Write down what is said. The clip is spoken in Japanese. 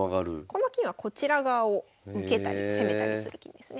この金はこちら側を受けたり攻めたりする金ですね。